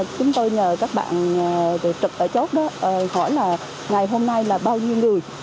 chúng tôi nhờ các bạn trực tại chốt đó hỏi là ngày hôm nay là bao nhiêu người